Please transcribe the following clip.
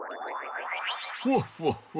フォッフォッフォ。